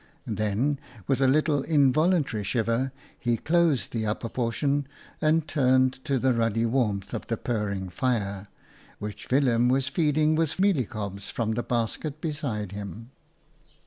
Then, with a little involuntary shiver, he closed the upper portion and turned to the ruddy 2 OUTA KAREL'S STORIES warmth of the purring fire, which Willem was feeding with mealie cobs from the basket beside him.